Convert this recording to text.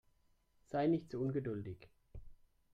Sei nicht so ungeduldig.